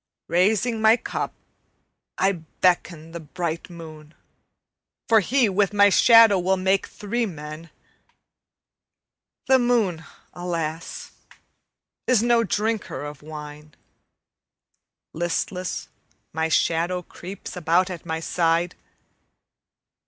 Raising my cup I beckon the bright moon, For he, with my shadow, will make three men. The moon, alas, is no drinker of wine; Listless, my shadow creeps about at my side.